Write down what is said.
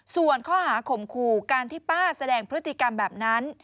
ส่วนข้อหาข่มขู่การที่ป้าแสดงพฤติกรรมแบบนั้น